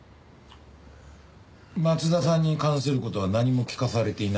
松田さんに関する事は何も聞かされていなかったと。